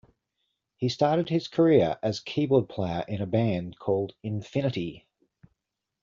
He started his career as keyboard player in a band called Infinity.